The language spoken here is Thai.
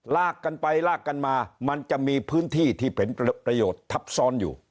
ลากกันไปลากกันมามันจะมีพื้นที่ที่เป็นประโยชน์ทับซ้อนอยู่